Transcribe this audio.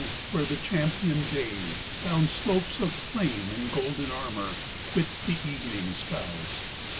where the champion, Day, down slopes of flame, In golden armor, quits the evening skies!